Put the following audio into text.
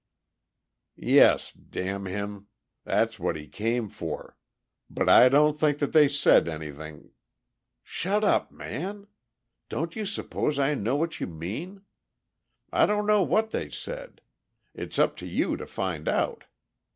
"Yes, damn him. That's what he came for. But I don't think that they said anything...." "Shut up, man! Don't you suppose I know what you mean? I don't know what they said. It's up to you to find out.